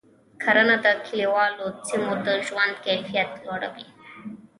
کرنه د کلیوالو سیمو د ژوند کیفیت لوړوي.